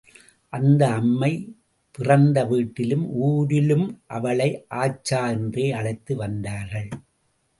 அந்த அம்மை பிறந்த வீட்டிலும் ஊரிலும் அவளை ஆச்சா என்றே அழைத்து வந்தார்கள்.